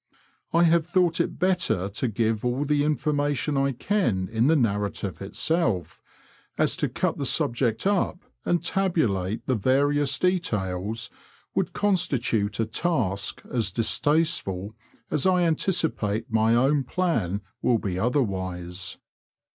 I have thought it better to give all the information I can in the narrative itself, as to cut the subject up and tabulate the various details would constitute a task as distasteful as I anticipate my own plan will be otherwise.